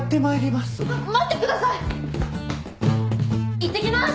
いってきます！